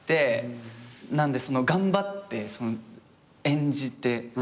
なんで頑張って演じて。